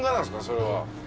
それは。